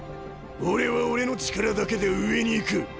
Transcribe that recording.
俺は俺の力だけで上に行く！